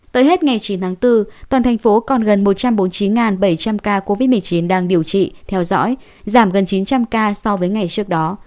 tới hết ngày chín tháng bốn toàn thành phố còn gần một trăm bốn mươi chín bảy trăm linh ca covid một mươi chín đang điều trị theo dõi giảm gần chín trăm linh ca so với ngày trước đó